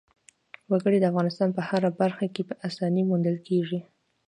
وګړي د افغانستان په هره برخه کې په اسانۍ موندل کېږي.